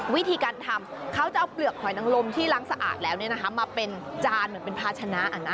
วิธีการทำเขาจะเอาเปลือกหอยนังลมที่ล้างสะอาดแล้วมาเป็นจานเหมือนเป็นภาชนะ